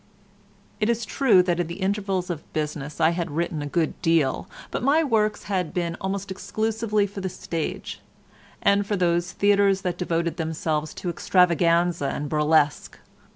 It is true that in the intervals of business I had written a good deal, but my works had been almost exclusively for the stage, and for those theatres that devoted themselves to extravaganza and burlesque.